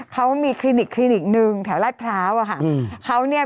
เขามีครินิกนึงแถวราชเท้าอ่ะคะเขาเนี่ย